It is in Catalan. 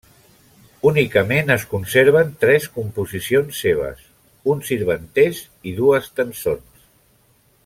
Únicament es conserven tres composicions seves: un sirventès i dues tençons.